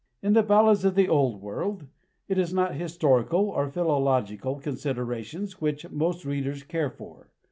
In the ballads of the old world, it is not historical or philological considerations which most readers care for.